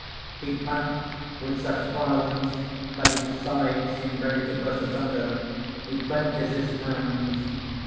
(_He pants with such violence that his sides seem ready to burst asunder; he clenches his hands.